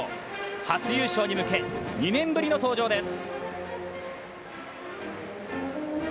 初優勝に向け、２年ぶりの登場です。